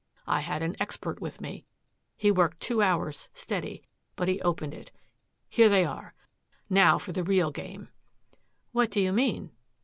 I had an expert with me. He worked two hours, steady, but he opened it. Here they are. Now for the real game." "What do you mean?"